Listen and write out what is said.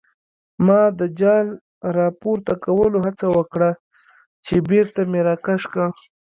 ما د جال راپورته کولو هڅه وکړه چې بېرته مې راکش کړ.